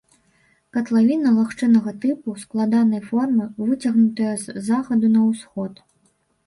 Катлавіна лагчыннага тыпу, складанай формы, выцягнутая з захаду на ўсход.